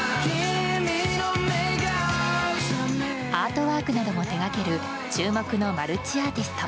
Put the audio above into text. アートワークなども手掛ける注目のマルチアーティスト。